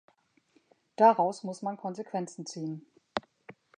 Daraus muss man Konsequenzen ziehen.